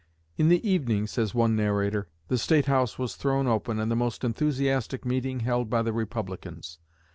"In the evening," says one narrator, "the State House was thrown open and a most enthusiastic meeting held by the Republicans.